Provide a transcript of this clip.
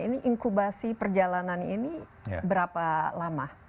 ini inkubasi perjalanan ini berapa lama